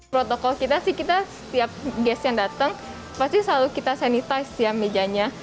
protokol kita sih kita setiap gas yang datang pasti selalu kita sanitize ya mejanya